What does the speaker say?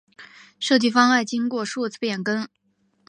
设计方案经过数次变更。